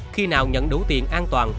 khi nào nhận đủ tiền an toàn